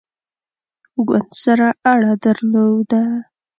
ګوند سره اړه درلوده.